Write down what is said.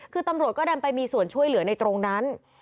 คือตำรวจก็ดันไปมีส่วนช่วยเหลือในตรงนั้น